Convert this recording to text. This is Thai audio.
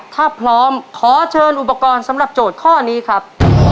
ถ้าพร้อมขอเชิญอุปกรณ์สำหรับโจทย์ข้อนี้ครับ